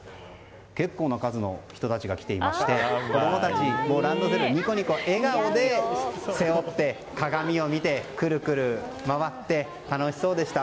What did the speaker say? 結構な数の人たちが来ていまして子供たち、ランドセルにこにこ笑顔で背負って鏡を見て、くるくる回って楽しそうでした。